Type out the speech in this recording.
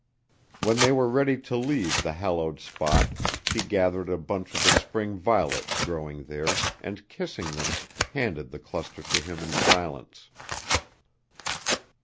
When they were ready to leave the hallowed spot she gathered a bunch of the spring violets growing there, and kissing them, handed the cluster to him in silence.